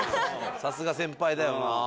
さすが先輩だよな。